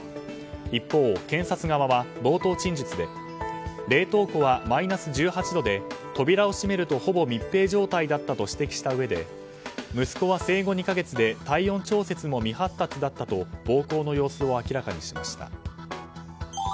一方、検察側は冒頭陳述で冷凍庫はマイナス１８度で扉を閉めるとほぼ密閉状態だったと指摘したうえで息子は生後２か月で体温調節も未発達だったと暴行の様子を明らかにしました。